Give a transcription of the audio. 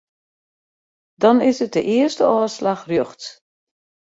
Dan is it de earste ôfslach rjochts.